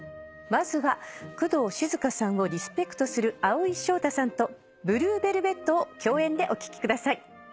まずは工藤静香さんをリスペクトする蒼井翔太さんと『ＢｌｕｅＶｅｌｖｅｔ』を共演でお聴きください。